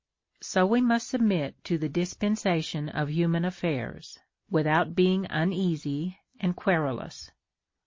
So we must sub mit to the dispensation of human affairs, Avithout being uneasy and querulous.